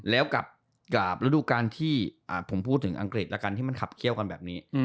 แล้วกับฤดูการที่ผมพูดถึงอังกฤษแล้วกันที่มันขับเคี่ยวกันแบบนี้